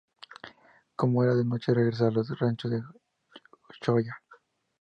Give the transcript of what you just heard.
Como era de noche regresó a los ranchos de Choya.